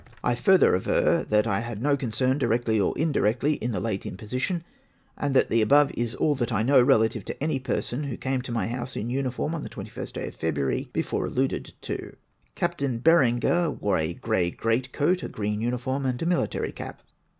I further aver, that I had no concern, cHrectly or indirectly, in the late imposition, and that the above is all that I know relative to any person who caine to my house in uniform on the 21st day of February, before alluded to. Captain Berenger wore a grey great coat, a green uniform, and a military cap.